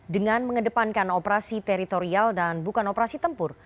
dengan mengedepankan operasi teritorial dan bukan operasi tempur